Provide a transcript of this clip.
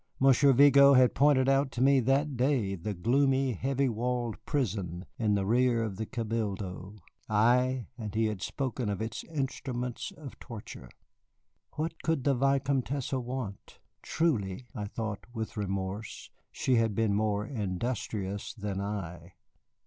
Monsieur Vigo had pointed out to me that day the gloomy, heavy walled prison in the rear of the Cabildo, ay, and he had spoken of its instruments of torture. What could the Vicomtesse want? Truly (I thought with remorse) she had been more industrious than I.